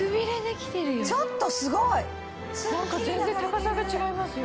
ちょっとすごい！何か全然高さが違いますよ。